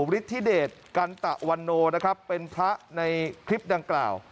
ฤทธิเดชกันตะวันโนนะครับเป็นพระในคลิปดังกล่าว